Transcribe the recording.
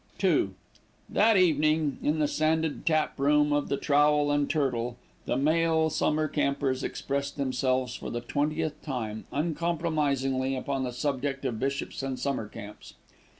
II That evening, in the sanded tap room of The Trowel and Turtle, the male summer campers expressed themselves for the twentieth time uncompromisingly upon the subject of bishops and summer camps.